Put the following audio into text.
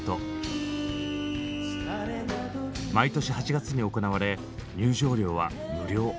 毎年８月に行われ入場料は無料。